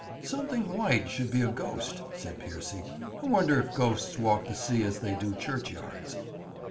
'Something white should be a ghost,' said Piercy. 'I wonder if ghosts walk the sea as they do churchyards?'